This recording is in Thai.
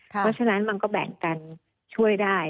เพราะฉะนั้นมันก็แบ่งกันช่วยได้